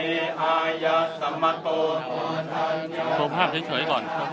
มีผู้ที่ได้รับบาดเจ็บและถูกนำตัวส่งโรงพยาบาลเป็นผู้หญิงวัยกลางคน